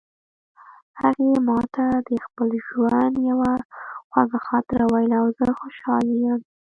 هغې ما ته د خپل ژوند یوه خوږه خاطره وویله او زه خوشحاله شوم